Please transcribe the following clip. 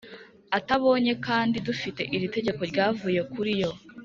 atabonye Kandi dufite iri tegeko ryavuye kuri yo